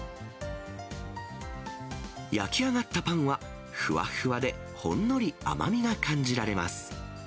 焼き上がったパンは、ふわふわでほんのり甘みが感じられます。